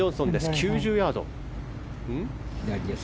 ９０ヤード。